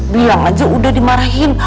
bilang aja udah dimarahin